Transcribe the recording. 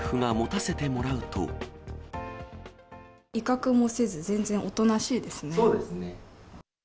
威嚇もせず、全然おとなしいそうですね。